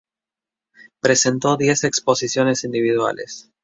Presentó diez exposiciones individuales.